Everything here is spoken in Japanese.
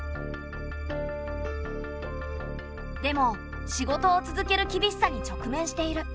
でも仕事を続ける厳しさに直面している。